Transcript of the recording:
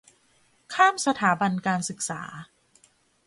ข้ามสถาบันการศึกษา